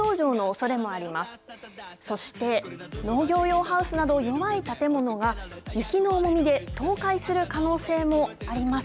そして、農業用ハウスなど、弱い建物が雪の重みで倒壊する可能性もあります。